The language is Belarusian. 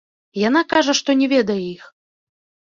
Яна кажа, што не ведае іх.